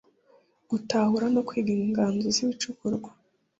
gutahura no kwiga inganzo z ibicukurwa